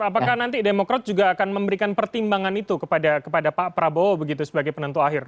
apakah nanti demokrat juga akan memberikan pertimbangan itu kepada pak prabowo begitu sebagai penentu akhir